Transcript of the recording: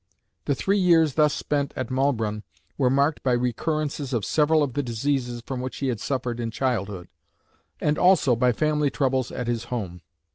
The three years thus spent at Maulbronn were marked by recurrences of several of the diseases from which he had suffered in childhood, and also by family troubles at his home.